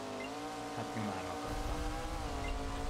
Hát nyomára akadtam!